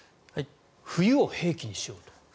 冬を兵器にしようという。